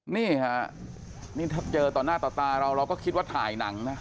นี่ค่ะนี่ถ้าเจอต่อหน้าต่อตาเราเราก็คิดว่าถ่ายหนังนะ